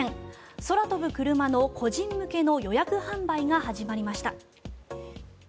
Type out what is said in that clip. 空飛ぶクルマの個人向けの予約販売が始まりました。